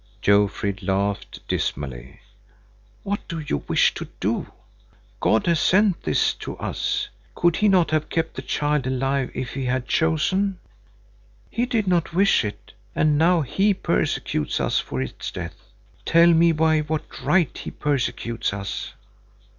Jofrid laughed dismally. "What do you wish to do? God has sent this to us. Could He not have kept the child alive if He had chosen? He did not wish it, and now He persecutes us for its death. Tell me by what right He persecutes us?"